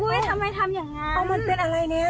อุ้ยทำไมทำอย่างนั้นอ๋อมันเป็นอะไรเนี้ยอ่าไม่รู้อ่า